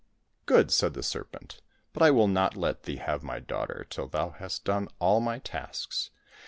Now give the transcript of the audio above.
" Good !" said the serpent, " but I will not let thee have my daughter till thou hast done all my tasks.